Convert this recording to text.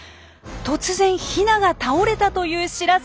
突然ヒナが倒れたという知らせ！